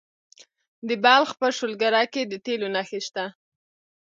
د بلخ په شولګره کې د تیلو نښې شته.